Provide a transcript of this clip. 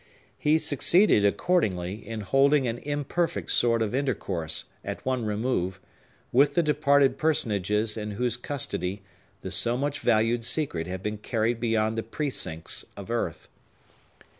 He succeeded, accordingly, in holding an imperfect sort of intercourse, at one remove, with the departed personages in whose custody the so much valued secret had been carried beyond the precincts of earth.